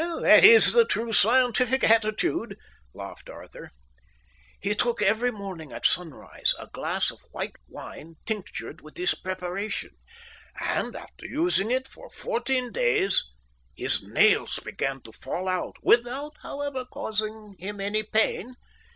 "That is the true scientific attitude," laughed Arthur. "He took every morning at sunrise a glass of white wine tinctured with this preparation; and after using it for fourteen days his nails began to fall out, without, however, causing him any pain.